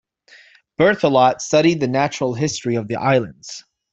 Berthelot studied the natural history of the islands.